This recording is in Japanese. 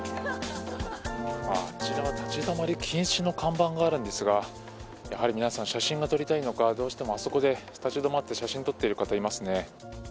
あちらは立ち止まり禁止の看板があるんですがやはり皆さん写真が撮りたいのかどうしても、あそこで立ち止まって写真を撮っている方がいますね。